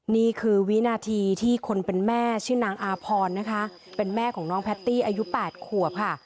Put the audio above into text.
นี่คือวินาทีที่คนเป็นแม่ชื่อนางอาพรนะคะเป็นแม่ของน้องแพตตี้อายุ๘ขวบค่ะ